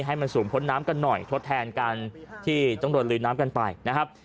ให้มันสูงพ้นน้ำกันหน่อยทดแทนกันที่ต้องโดนลุยน้ำกันไปนะครับ